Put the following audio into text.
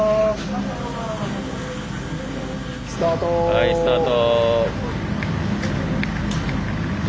はいスタート。